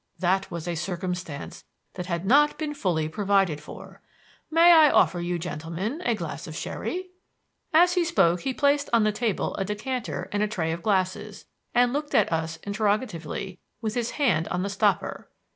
That was a circumstance that had not been fully provided for. May I offer you gentlemen a glass of sherry?" As he spoke he placed on the table a decanter and a tray of glasses, and looked at us interrogatively with his hand on the stopper.